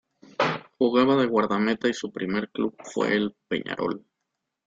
Jugaba de guardameta y su primer club fue el Peñarol.